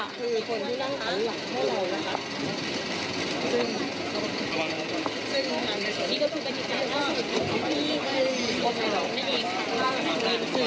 อืม